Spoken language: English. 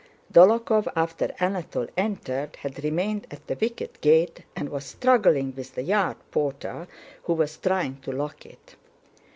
Dólokhov, after Anatole entered, had remained at the wicket gate and was struggling with the yard porter who was trying to lock it.